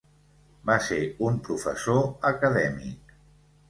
Va ser un professor acadèmic.